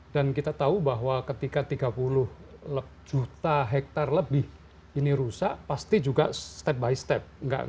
kita tahu bahwa ketika tiga puluh juta hektare lebih ini rusak pasti juga step by step